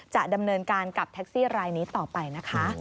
จะดำเนินการกับแท็กซี่รายนี้ต่อไปนะคะ